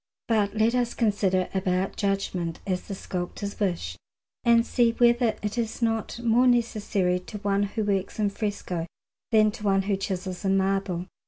But let us consider about judgment, as the sculptors wish, and see whether it is not more necessary to one who works in fresco than to one who chisels in marble.